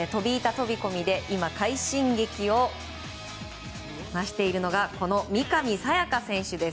飛込で今、快進撃をしているのが三上紗也可選手です。